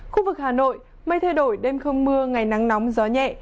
khu vực hà nội mây thay đổi đêm không mưa ngày nắng nóng gió nhẹ